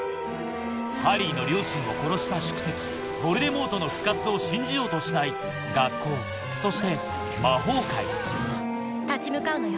ハリーの両親を殺した宿敵ヴォルデモートの復活を信じようとしない学校そして魔法界立ち向かうのよ